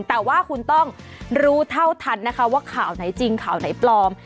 แต่ว่าคุณต้องรู้เท่าทันนะคะว่าข่าวไหนจริงข่าวไหนปลอม